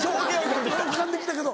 浮かんできたけど。